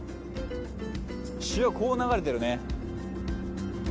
潮こう流れてるね。